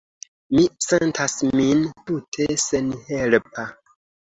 Mi sentas min tute senhelpa.